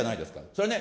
それはね